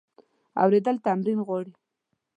اورېدل تمرین غواړي.